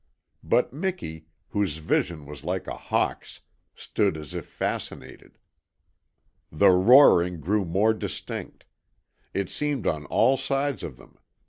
But Miki, whose vision was like a hawk's, stood as if fascinated. The roaring grew more distinct. It seemed on all sides of them.